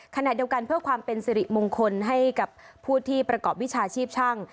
ขณะเดียวกันเพื่อความเป็นสิริมงคลให้กับผู้ที่ประกอบวิชาชีพช่าง